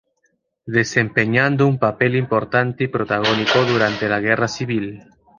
Desempeñando un papel importante y protagónico durante la Guerra Civil.